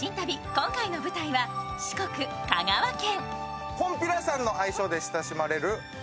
今回の舞台は四国・香川県。